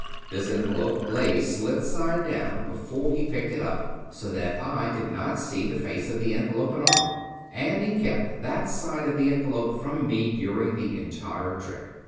This envelope lay slit side down before he picked it up ; so that I did not see the face of the envelope at all, and he kept that side of the envelope from me during the entire trick.